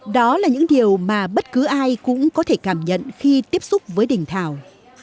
đó là những điều mà bất cứ ai cũng có thể cảm nhận khi tiếp xúc với đình thảo